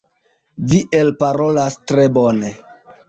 Vi elparolas tre bone.